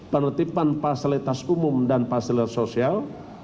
penertiban fasilitas umum dan fasilitas sosial